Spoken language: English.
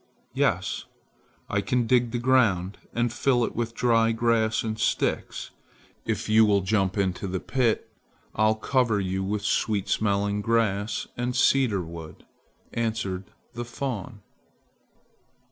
"Yes. I can dig the ground and fill it with dry grass and sticks. If you will jump into the pit, I'll cover you with sweet smelling grass and cedar wood," answered the fawn.